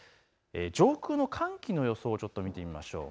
上空の寒気の予想を見てみましょう。